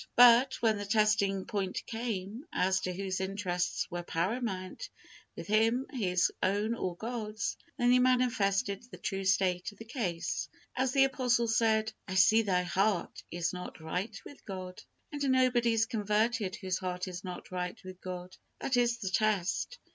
But when the testing point came, as to whose interests were paramount with him, his own or God's, then he manifested the true state of the case, as the apostle said, "I see thy heart is not right with God." And nobody is converted whose heart is not right with God! That is the test.